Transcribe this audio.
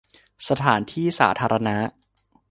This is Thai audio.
สถานที่สาธารณะ